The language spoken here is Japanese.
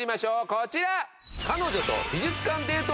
こちら！